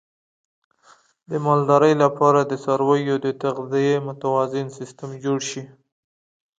د مالدارۍ لپاره د څارویو د تغذیې متوازن سیستم جوړ شي.